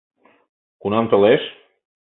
Кунам толеш?